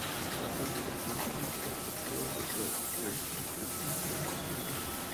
A partir de entonces, las perspectivas de progreso en la empresa han cambiado.